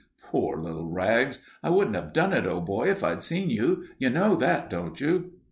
"Poor little Rags! I wouldn't have done it, old boy, if I'd seen you. You know that, don't you?"